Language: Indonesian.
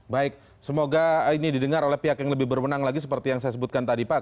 baik semoga ini didengar oleh pihak yang lebih berwenang lagi seperti yang saya sebutkan tadi pak